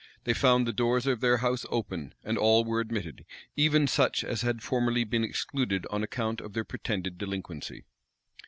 They found the doors of their house open; and all were admitted, even such as had formerly been excluded on account of their pretended delinquency.